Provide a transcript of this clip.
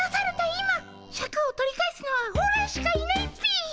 今シャクを取り返すのはオラしかいないっピ！